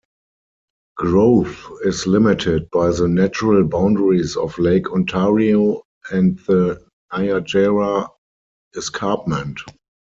Growth is limited by the natural boundaries of Lake Ontario and the Niagara Escarpment.